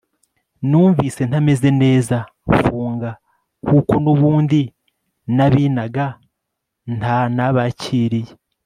numvise ntameze neza mfunga kuko nubundi nabinaga nta nabakiriye